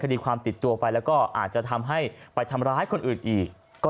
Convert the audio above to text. คดีความติดตัวไปแล้วก็อาจจะทำให้ไปทำร้ายคนอื่นอีกก็